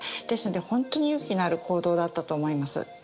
ですので、本当に勇気のある行動だったと思います。